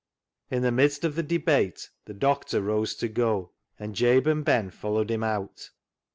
In the midst of the debate the doctor rose to go, and Jabe and Ben followed him out.